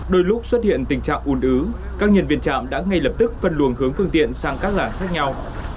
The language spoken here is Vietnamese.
đôi lúc xuất hiện tình trạng un ứ các nhân viên chạm đã ngay lập tức phân luồng hướng phương tiện sang các làn khác nhau